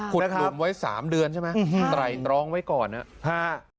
ขุดหลุมไว้๓เดือนใช่ไหมแต่ร้องไว้ก่อนน่ะ